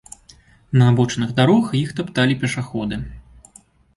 На абочынах дарог іх тапталі пешаходы.